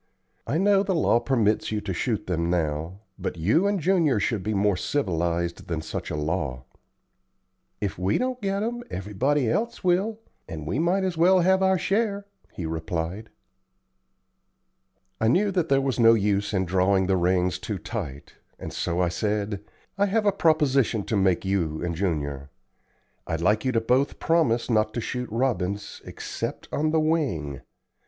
I know the law permits you to shoot them now, but you and Junior should be more civilized than such a law." "If we don't get 'em, everybody else will, and we might as well have our share," he replied. I knew that there was no use in drawing the reins too tight, and so I said: "I have a proposition to make to you and Junior. I'd like you both to promise not to shoot robins except on the wing.